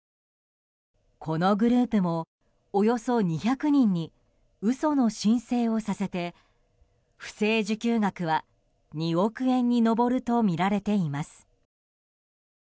このグループもおよそ２００人に嘘の申請をさせて、不正受給額は２億円に上るとみられています。